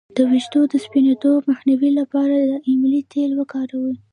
د ویښتو د سپینیدو مخنیوي لپاره د املې تېل وکاروئ